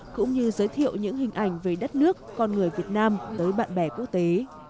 cũng như giới thiệu những hình ảnh về đất nước con người việt nam tới bạn bè quốc tế